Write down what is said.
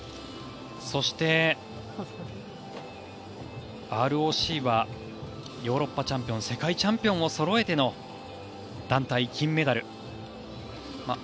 そして、ＲＯＣはヨーロッパチャンピオン世界チャンピオンをそろえての団体金メダル。